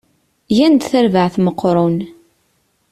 Gan-d tarbaεt meqqren.